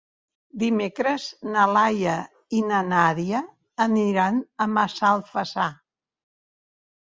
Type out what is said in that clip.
Dimecres na Laia i na Nàdia aniran a Massalfassar.